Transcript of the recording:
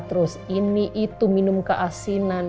terus ini itu minum keasinan